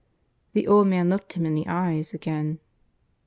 The old man looked him in the eyes again.